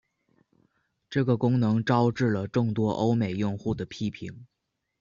这个功能招致了众多欧美用户的批评。